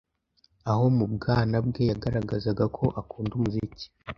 aho mu bwana bwe yagarazaga ko akunda umuziki